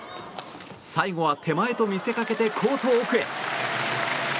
最後は手前と見せかけてコート奥へ。